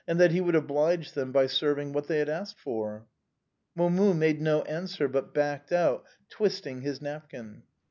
that he would oblige them by serving what they had asked for. Momus made no answer but backed out, twisting his napkin.